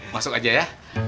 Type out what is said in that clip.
masuk aja ya